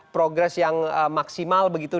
progres yang maksimal begitu